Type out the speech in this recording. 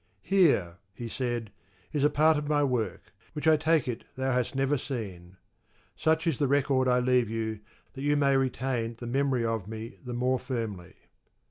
"Here" (he said) "is a part of my work, which I take it thou hast never seen. Such is the record I leave you, that you may retain the memory of me the more firmly."